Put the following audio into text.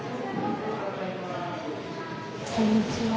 こんにちは。